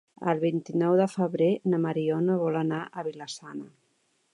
El vint-i-nou de febrer na Mariona vol anar a Vila-sana.